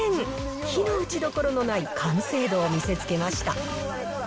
非の打ちどころのない完成度を見せつけました。